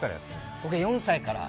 僕は４歳から。